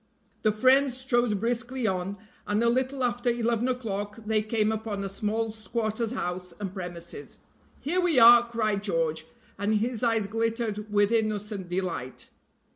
The friends strode briskly on, and a little after eleven o'clock they came upon a small squatter's house and premises. "Here we are," cried George, and his eyes glittered with innocent delight.